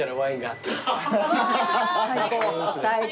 最高。